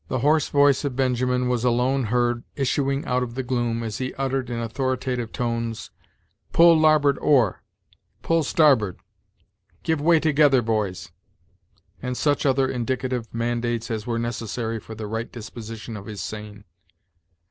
The hoarse voice of Benjamin was alone heard issuing out of the gloom, as he uttered, in authoritative tones, "Pull larboard oar," "Pull starboard," "Give way together, boys," and such other indicative mandates as were necessary for the right disposition of his seine.